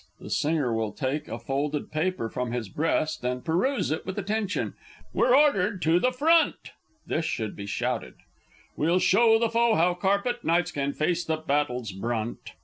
... (The Singer will take a folded paper from his breast and peruse it with attention.) We're ordered to the front! [This should be shouted. We'll show the foe how "Carpet Knights" can face the battle's brunt!